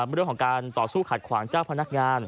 เรื่องของการต่อสู้ขัดขวางเจ้าพนักงาน